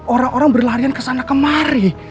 orang orang berlarian kesana kemari